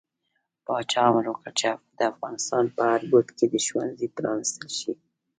پاچا امر وکړ چې د افغانستان په هر ګوټ کې د ښوونځي پرانستل شي.